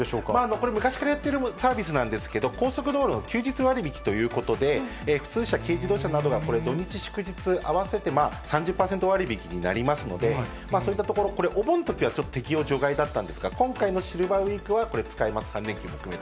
これ、昔からやってるサービスなんですけれども、高速道路は休日割引ということで、普通車、軽自動車などがこれ、土日祝日合わせて３０％割引きになりますので、そういったところ、これお盆のときはちょっと適用除外だったんですが、今回のシルバーウィークは、これ、使えます、３連休も。